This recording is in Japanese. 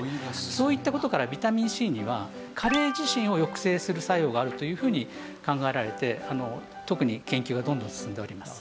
そういった事からビタミンＣには加齢自身を抑制する作用があるというふうに考えられて特に研究がどんどん進んでおります。